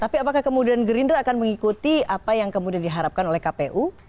tapi apakah kemudian gerindra akan mengikuti apa yang kemudian diharapkan oleh kpu